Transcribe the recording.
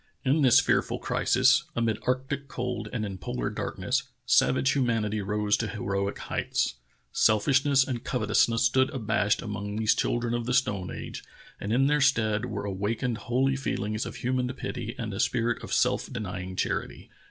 In this fearful crisis, amid arctic cold and in polar darkness, savage humanity rose to heroic heights. Self ishness and covetousness stood abashed among these children of the stone age, and in their stead were awa kened holy feelings of human pity and a spirit of self denying charity.